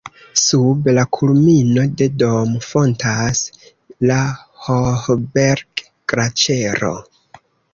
Sub la kulmino de Dom fontas la Hohberg-Glaĉero.